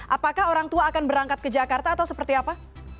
apakah orang tua akan berangkat ke jakarta atau seperti apa